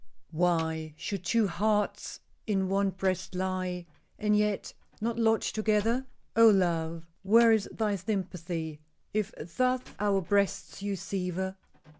"Why should two hearts in one breast lie And yet not lodge together? Oh, love! where is thy sympathy If thus our breasts you sever?"